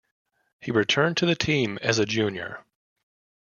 He returned to the team as a junior.